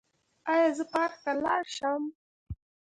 ایا زه پارک ته لاړ شم؟